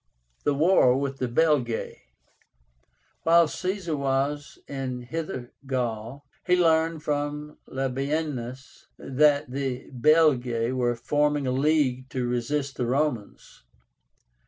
THE WAR WITH THE BELGAE. While Caesar was in Hither Gaul, he learned from Labiénus that the BELGAE were forming a league to resist the Romans.